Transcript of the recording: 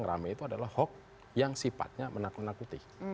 yang rame itu adalah hoax yang sifatnya menakuti